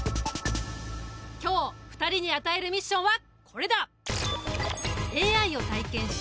今日２人に与えるミッションはこれだ！